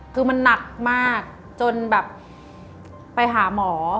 คือมันหนักมากจนแบบไปหาหมอ